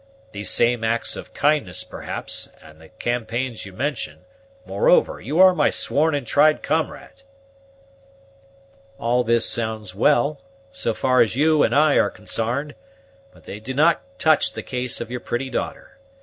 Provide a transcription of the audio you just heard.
Those same acts of kindness, perhaps, and the campaigns you mention; moreover, you are my sworn and tried comrade." "All this sounds well, so far as you and I are consarned; but they do not touch the case of your pretty daughter.